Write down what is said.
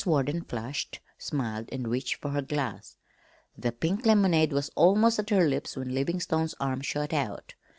Warden flushed, smiled, and reached for her glass. The pink lemonade was almost at her lips when Livingstone's arm shot out.